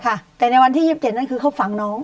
ค่ะแต่ในวันที่๒๗นั่นคือเขาฝังน้อง